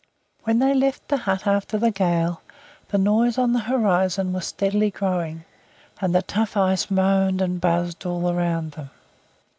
When they left the hut after the gale, the noise on the horizon was steadily growing, and the tough ice moaned and buzzed all round them.